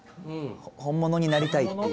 本物になりたいっていう。